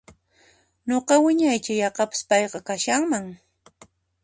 Nuqa wiñaicha yaqapas payqa kashanman